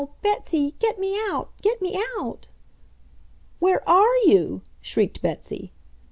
Betsy! Get me out! Get me out!" "Where ARE you?" shrieked Betsy.